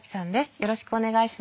よろしくお願いします。